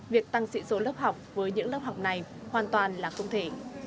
việc tăng sĩ số lớp học với những lớp học này hoàn toàn là không thể